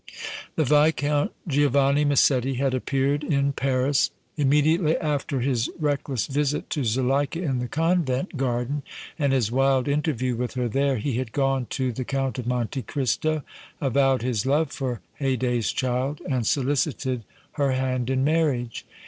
The Viscount Giovanni Massetti had appeared in Paris. Immediately after his reckless visit to Zuleika in the convent garden and his wild interview with her there, he had gone to the Count of Monte Cristo, avowed his love for Haydée's child and solicited her hand in marriage.